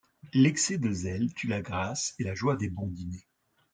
L’excès de zèle tue la grâce et la joie des bons dîners.